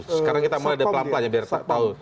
sekarang kita mulai pelan pelan ya biar tahu